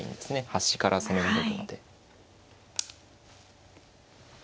端から攻められるので。